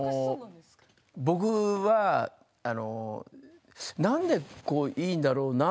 僕はなんでいいんだろうな？